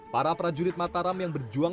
para prajurit mataram yang berjuang